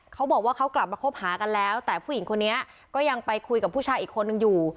เขาบอกว่าเขากลับมาคบหากันแล้วแต่ผู้หญิงคนนี้ก็ยังไปคุยกับผู้ชายอีกคนนึงอยู่